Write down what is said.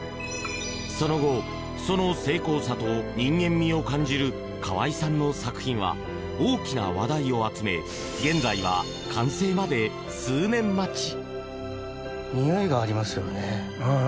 その後、その精巧さと人間味を感じる河合さんの作品は大きな話題を集め現在は完成まで数年待ち。